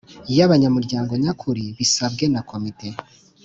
y abanyamuryango nyakuri bisabwe na Komite